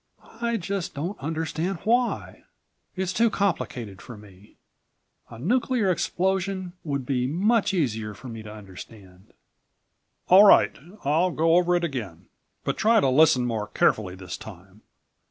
"I just don't understand why. It's too complicated for me. A nuclear explosion would be much easier for me to understand." "All right ... I'll go over it again. But try to listen more carefully this time.